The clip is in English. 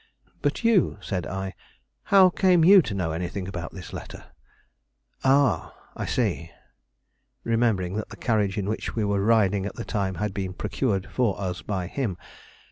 "But you," said I; "how came you to know anything about this letter? Ah, I see," remembering that the carriage in which we were riding at the time had been procured for us by him.